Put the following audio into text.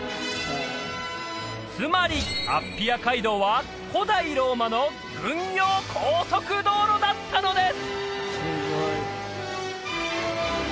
つまりアッピア街道は古代ローマの軍用高速道路だったのです